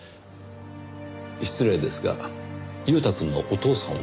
失礼ですが裕太くんのお父さんは？